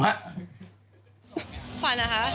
ขวัญล่ะค่ะ